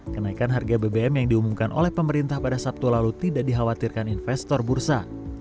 kenaikan harga bbm yang diumumkan oleh pemerintah pada sabtu lalu tidak dikhawatirkan investor bursa